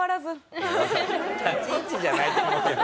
立ち位置じゃないと思うけど。